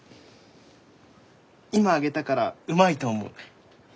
今揚げたからうまいと思う。